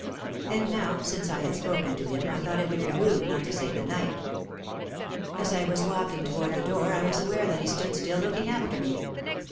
And now, since I had spoken to him I thought it would be rude not to say good night. As I was walk ing toward the door I was aware that he stood still look ing after me.